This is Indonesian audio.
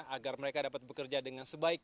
agar mereka dapat bekerja dengan sebaik